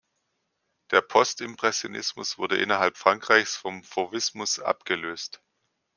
Der Post-Impressionismus wurde innerhalb Frankreichs vom Fauvismus abgelöst.